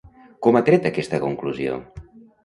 Com ha tret aquesta conclusió?